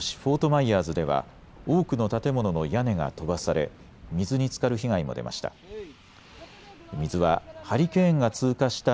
マイヤーズでは多くの建物の屋根が飛ばされ水につかる被害も出ました。